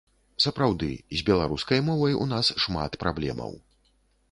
Сапраўды, з беларускай мовай у нас шмат праблемаў.